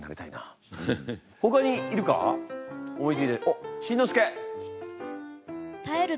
おっしんのすけ！